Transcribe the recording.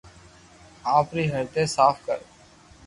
آپري ھردي صاف ڪر